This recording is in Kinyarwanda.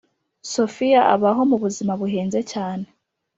sofia abaho mu buzima buhenze cyane